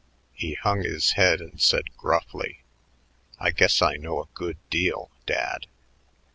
He hung his head and said gruffly, "I guess I know a good deal Dad."